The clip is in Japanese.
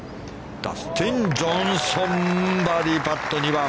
ダスティン・ジョンソンバーディーパット、２番。